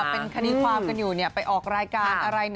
เป็นคดีความกันอยู่ไปออกรายการอะไร